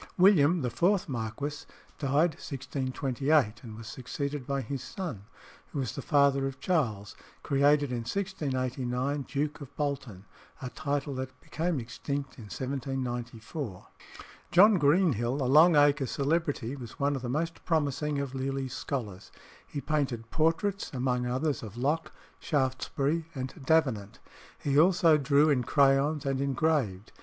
William, the fourth marquis, died 1628, and was succeeded by his son, who was the father of Charles, created in 1689 Duke of Bolton, a title that became extinct in 1794. John Greenhill, a Long Acre celebrity, was one of the most promising of Lely's scholars. He painted portraits, among others, of Locke, Shaftesbury, and Davenant. He also drew in crayons, and engraved.